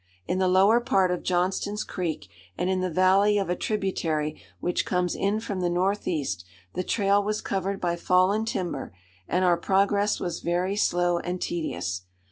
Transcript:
In the lower part of Johnston's Creek, and in the valley of a tributary which comes in from the northeast, the trail was covered by fallen timber, and our progress was very slow and tedious.